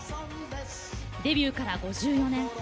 デビューから５４年。